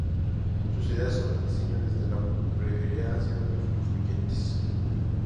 Sus ideas sobre el diseño desde la periferia han sido muy influyentes.